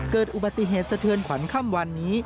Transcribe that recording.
เกิดอุบัติเหตุสะเทือนขวัญค่ำวันนี้